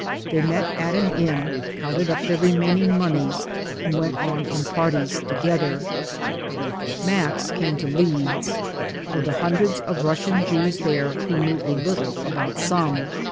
They met at an inn, counted up their remaining monies, and went on in parties together. Max came to Leeds. Of the hundreds of Russian Jews there he knew a little about some.